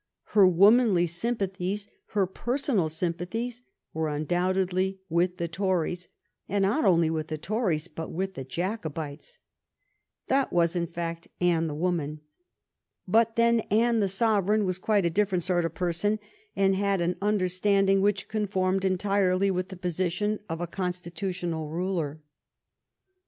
Her womanly sympathies, her personal sympathies, were undoubtedly with the Tories, and not only with the Tories but with the Jacobites. That was, in fact, Anne the woman. But then Anne the sovereign was quite a different sort of person, and had an understanding which conformed entirely with the position of a constitutional ruler.